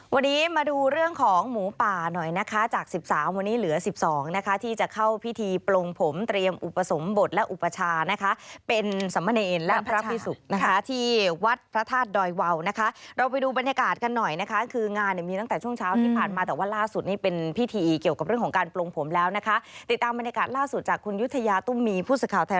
วันนี้มาดูเรื่องของหมูป่าหน่อยนะคะจากสิบสามวันนี้เหลือสิบสองนะคะที่จะเข้าพิธีปลงผมเตรียมอุปสมบทและอุปชานะคะเป็นสมเนรและพระพิสุกนะคะที่วัดพระธาตุดอยวาวนะคะเราไปดูบรรยากาศกันหน่อยนะคะคืองานเนี่ยมีตั้งแต่ช่วงเช้าที่ผ่านมาแต่ว่าล่าสุดนี่เป็นพิธีเกี่ยวกับเรื่องของการปลงผมแล้วนะคะติดตามบรรยากาศล่าสุดจากคุณยุธยาตุ้มมีผู้สื่อข่าวท